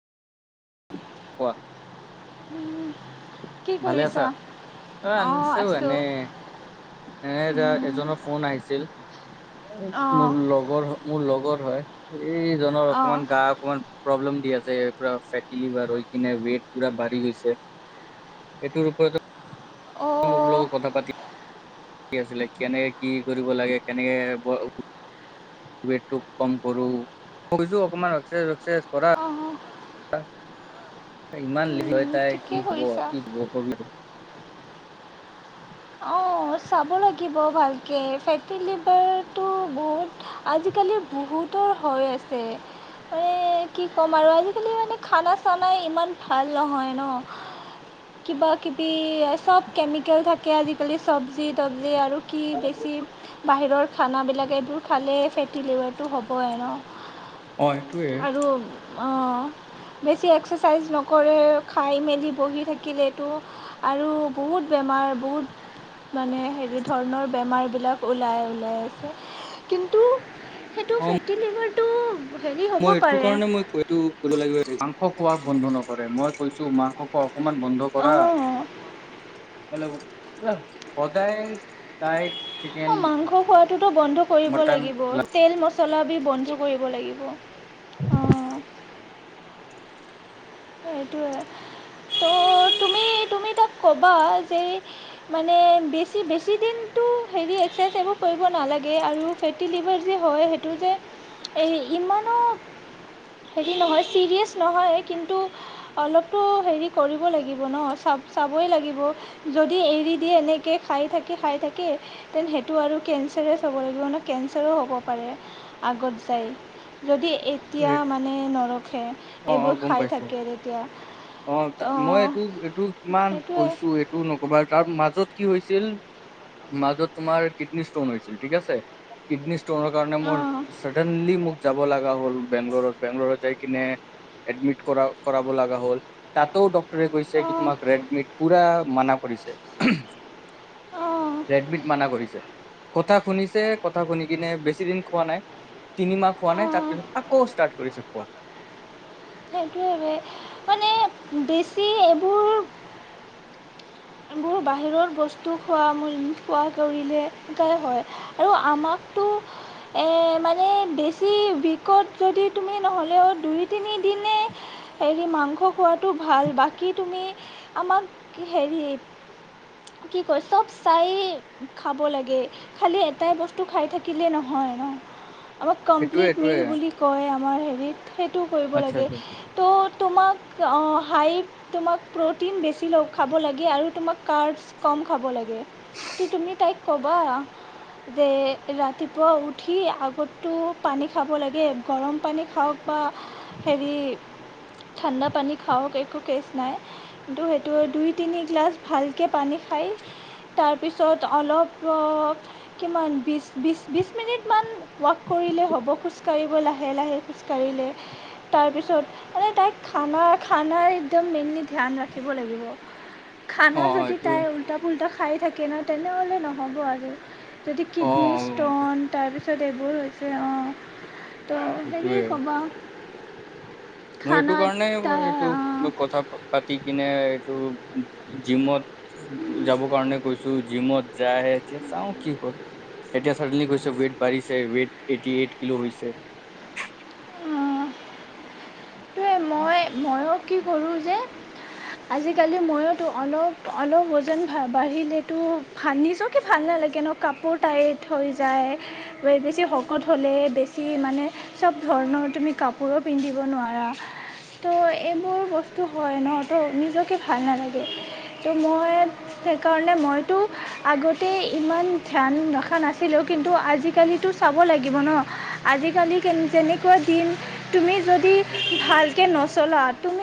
কোৱা উম কি ভালে আছা কৰিছা অ অঁ আনিছেও আছোঁ এনে এ উম, এজনৰ ফোন আহিছিল অঁ মোৰ লগৰ মোৰ লগৰ হয় এইজনৰ অঁ অকমান গা অকনমান প্ৰব্লেম দি আছে যে পুৰা ফেটি লিভাৰ হৈ কিনে ৱেট পুৰা বাঢ়ি গৈছে এইটোৰ ওপৰতো অঁ মোৰ লগত কথা পাতি কি আছিলে কেনেকে কি কৰিব লাগে কেনেকে? ৱেটটো কম কৰো কৰিছো অকমান আছে। অহ অহ। ইমান লয় কি ঠিকেই হ কৰিছা কি হ কবি? অ' চাব লাগিব ভালকে ফেটি লিভাৰটো বহুত আজিকালি বহুতৰ হৈ আছে মানে কি ক'ম আৰু আজিকালি মানে খানা চানাই ইমান ভাল নহয় ন কিবা কিবি চব কেমিকেল থাকে। আজিকালি চবজি তবজি আৰু কি বেছি বাহিৰৰ? খানাবিলাক এইবোৰ খালেই ফেটি লিভাৰটো হ'বই আৰু ন অ' এইটোয়ে আৰু বেছি এক্সাৰচাইজ নকৰে। খাই মেলি বহি থাকিলেতো আৰু বহুত বেমাৰ বহুত মানে হেৰি ধৰণৰ বেমাৰবিলাক ওলাই ওলাই আছে কিন্তু সেইটো অ ফেটিলিভাৰ মই এইটো কাৰণে মই কৈ কৰিব লাগিব মাংস খোৱাক বন্ধ নকৰে মই কৈছো মাকক কক অক'মান বন্ধ কৰা অঁ অঁ মই সদায় তাইক। অ' মাংস খোৱাটোতো বন্ধ কৰিব মটন লাগিব তেল মছলা বি বন্ধ কৰিব লাগিব। অহ সেইটোৱে ত' তুমি তুমি তাক ক'বা যে মানে বেছি বেছি দিনটো হেৰি এক্সাৰচাইজ এইবোৰ কৰিব নালাগে আৰু ফেটি লিভাৰ যি হয় সেইটো যে এই ইমানো হেৰি নহয় চিৰিয়াছ নহয় কিন্তু অলপতো হেৰি কৰিব লাগিব ন চাব চাবই লাগিব যদি এৰিদিয়ে এনেকৈ খাই থাকি খাই থাকে তেন সেইটো আৰু কেঞ্চাৰে চাব লাগিব ন কেঞ্চাৰো হ'ব পাৰে আগত যাই যদি এতিয়া মানে নৰখে অ অ এইবোৰ গম খাই পাইছো থাকে। তেতিয়া অ' মই এইটো এইটো কিমান সেইটোৱে কৈছো এইটো নকবা তাৰ মাজত কি হৈছিল মাজত তোমাৰ কিটনি স্তন হৈছিল ঠিক আছে কিটনি অহাৰ কাৰণে মোৰ অঁ চাৰদেনলী মোৰ যাব লগা হ'ল বেংলৰত। বেংলৰত যায় গিনে এডমিন কৰাব লগা হ'ল তাতো ডক্টৰে কৈছে কি অঁ তোমাক ৰেডমিড পুৰা মানা কৰিছে। অঁ ৰেডমিত মানা কৰিছে। কথা শুনিছে কথা শুনি কিনে বেছি দিন খোৱা নাই তিনিমাহ খোৱা নাই অঁ তাৰপিছত আকৌ ষ্টাৰ্ট কৰিছে খোৱা। সেইটোৱে যে মানে বেছি এইবোৰ বাহিৰৰ বস্তু খোৱা খোৱা কৰিলে এনেকাই হয় আৰু আমাকতো এ মানে বেছি বিষত যদি তুমি নহ'লেও দুই তিনিদিনে হেৰি মাংস খোৱাটো ভাল বাকী তুমি আমাক হেৰি কি কয় চব চাই খাব লাগে খালি এটাই বস্তু খাই থাকিলে নহয় ন আমাক সেইটোয়ে কমপ্লিট এইটোয়ে মিল বুলি কয় মই হেৰিত সেইটোও কৰিব আচ্ছা লাগে, আচ্ছা ত' তোমাক অ' হাই তোমাক প্ৰ'টিন বেছি ল-খাব লাগে আৰু তোমাক কাৰ্বছ কম খাব লাগে । তো তুমি তাইক ক'বা যে ৰাতিপুৱা উঠি আগত তো পানী খাব লাগে, গৰম পানী খাওঁক বা হেৰি ঠাণ্ডা পানী খাওঁক একো কেচ নাই। কিন্তু সেইটো দুই-তিনি গিলাছ ভালকে পানী খাই তাৰ তাৰপিছত অলপ অ' কিমান বিছ- বিছ- বিছ মিনিটমান ৱ'ক কৰিলে হ'ব। খোজকাঢ়িব লাহে-লাহে খোজকাঢ়িলে । তাৰপিছত মানে তাই খানা- খানা একদম মেইনলি ধ্যান ৰাখিব লাগিব। অ খানা যদি এইটো তাই উল্টা-পুল্টা খাই থাকে ন'? তেনেহ'লে নহ'ব আৰু। তাতে অ কিডনী ষ্ট'ন, তাৰপিছত এইবোৰ হৈ তে অ'। ত' হেৰি এইটোয়ে ক'বা। মই এইটো খানাত কাৰণে, এইটো, তাই কথা পাতি কিনে এইটো জিমত যাব কাৰণে কৈছো, জিমত যায় এতিয়া চাওঁ কি হ'ল এতিয়া চাডেনলি কৈছে, ৱেইট বাঢ়িছে, ৱেট এইটি-এইট কিলো হৈছে। উম সেইটোয়ে, মই, ময়ো কি কৰোঁ যে আজিকালি ময়োতো অলপ অলপ ওজন বাঢ়িলেতো ভা-নিজকেটো ভাল নালাগে ন কাপোৰ টাইট হৈ যায়, বেছি শকত হ'লে বেছি মানে চব ধৰণৰ তুমি কাপোৰো পিন্ধিব নোৱাৰা! তো এইবোৰ বস্তু হয় ন'? তো নিজকে ভাল নালাগে । তো মই সেইকাৰণে- মইতো আগতে ইমান ধ্যান ৰখা নাছিলোঁ, কিন্তু আজিকালিতো চাব লাগিব ন'? আজিকালি কেন- কেনেকুৱা দিন। তুমি যদি ভালকে নচলোৱা তুমি